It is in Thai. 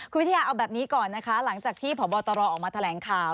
คุณวิทยาเอาแบบนี้ก่อนนะคะหลังจากที่พบตรออกมาแถลงข่าว